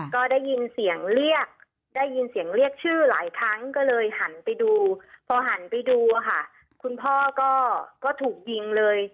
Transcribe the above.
ก็ได้ยินเสียงเรียกชื่อหลายครั้งก็เลยหันไปดูพอหันไปดูค่ะคุณพ่อก็ถูกยิงเลย